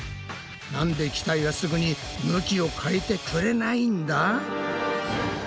なんで機体はすぐに向きを変えてくれないんだ？